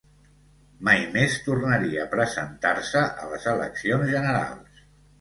Mai més tornaria a presentar-se a les eleccions generals.